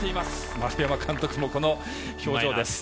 丸山監督もこの表情です。